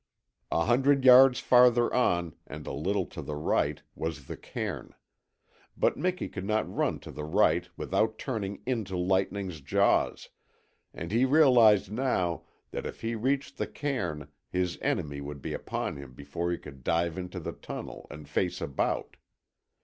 A hundred yards farther on and a little to the right was the cairn. But Miki could not run to the right without turning into Lightning's jaws, and he realized now that if he reached the cairn his enemy would be upon him before he could dive into the tunnel and face about.